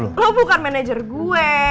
lo bukan manajer gue